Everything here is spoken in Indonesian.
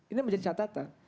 ini menjadi catatan